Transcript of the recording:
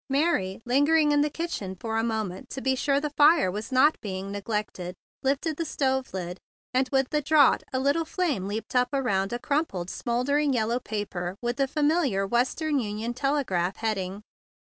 Mary, lin¬ gering in the kitchen for a moment, to be sure the fire was not being neglected, lifted the stove lid, and with the draught a little flame leaped up around a crumpled, smoldering yellow paper with the familiar "Western Union Tel¬ egraph" heading.